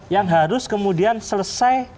yang harus kemudian selesai